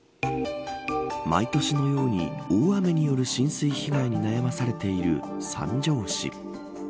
毎年のように大雨による浸水被害に悩まされている三条市。